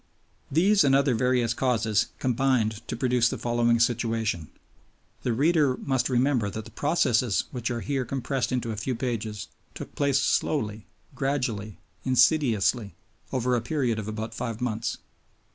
These and other various causes combined to produce the following situation. The reader must remember that the processes which are here compressed into a few pages took place slowly, gradually, insidiously, over a period of about five months.